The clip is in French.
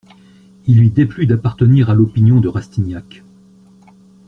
Il lui déplut d'appartenir à l'opinion de Rastignac.